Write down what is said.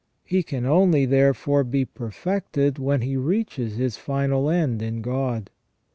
He can only, therefore, be perfected when he reaches his final end in God.